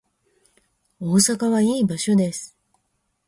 大阪はいい場所です